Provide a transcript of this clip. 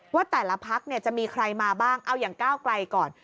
ว่าแต่ละพักจะมีใครมาบ้างเอาอย่างก้าวไกลก่อน